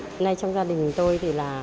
hôm nay trong gia đình tôi